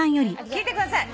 聞いてください